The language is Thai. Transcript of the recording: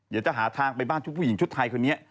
อยากจะหาทางไปบ้านผู้หญิงชุดไทยคนนี้